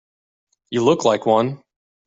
You look like one.